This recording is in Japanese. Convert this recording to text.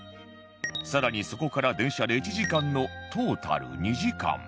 更にそこから電車で１時間のトータル２時間